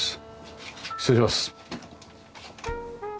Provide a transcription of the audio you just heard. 失礼します。